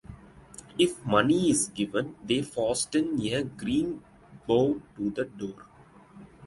If money is given, they fasten a green bough to the door.